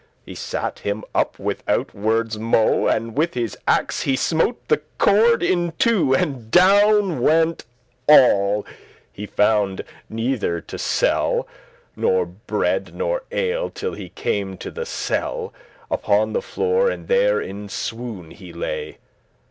He sat him up withoute wordes mo' And with his axe he smote the cord in two; And down went all; he found neither to sell Nor bread nor ale, till he came to the sell*, *threshold <41> Upon the floor, and there in swoon he lay.